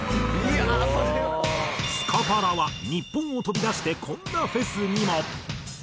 スカパラは日本を飛び出してこんなフェスにも！